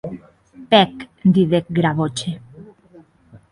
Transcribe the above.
Pèc, didec Gavroche.